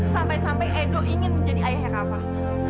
sampai sampai edo ingin menjadi ayahnya kakak